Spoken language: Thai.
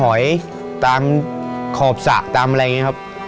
ถอยตามขอบสระตามอะไรอย่างนี้ครับ